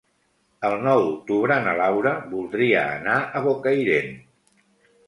El nou d'octubre na Laura voldria anar a Bocairent.